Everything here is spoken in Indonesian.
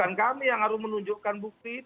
bukan kami yang harus menunjukkan bukti itu